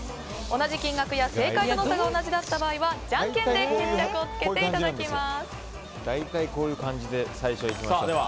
同じ金額や正解との差が同じだった場合はじゃんけんで決着をつけていただきます。